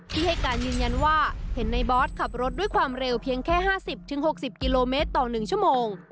ให้การยืนยันว่าเห็นในบอสขับรถด้วยความเร็วเพียงแค่๕๐๖๐กิโลเมตรต่อ๑ชั่วโมง